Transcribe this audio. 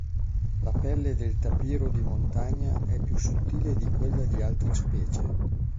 La pelle del tapiro di montagna è più sottile di quella di altre specie.